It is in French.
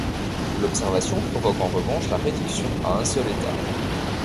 L'observation provoque en revanche la réduction à un seul état.